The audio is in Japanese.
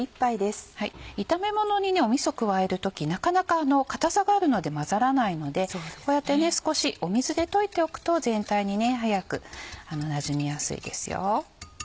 炒めものにみそ加える時なかなか固さがあるので混ざらないのでこうやって少し水で溶いておくと全体に早くなじみやすいです。